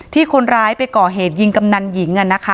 ที่คนร้ายไปก่อเหตุยิงกำนันหญิง